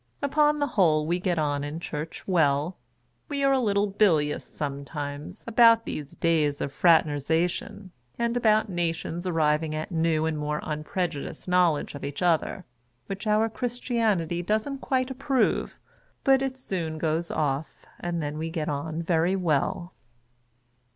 Upon the whole we get on in church well. We are a little bilious sometimes, about these days of fraternization, and about nations arriving at a new and more unprejudiced knowledge of each other (which our Christianity don't quite ap prove), but it soon goes off, and then we get on very Avell.